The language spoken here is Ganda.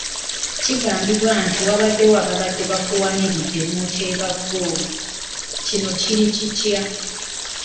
Kigambibwa nti waliwo ababadde bakuwaniridde n'oteeba ggoolo, kino kiri kitya?